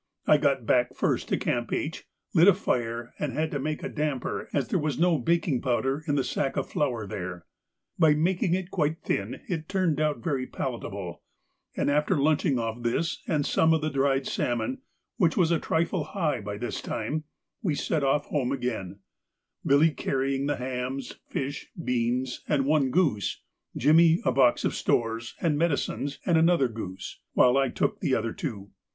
I got back first to Camp H, lit a fire, and had to make a damper, as there was no baking powder in the sack of flour there. By making it quite thin it turned out very palatable, and, after lunching off this and some of the dried salmon, which was a trifle high by this time, we set off home again, Billy carrying the hams, fish, beans, and one goose, Jimmy a box of stores and medicines and another goose, while I took the other two.